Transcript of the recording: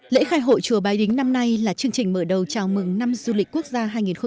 lễ khai hội chùa bái đính năm nay là chương trình mở đầu chào mừng năm du lịch quốc gia hai nghìn hai mươi bốn